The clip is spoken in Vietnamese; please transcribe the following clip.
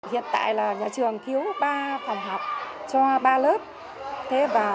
hiện tại là nhà trường thiếu ba phòng học cho ba lớp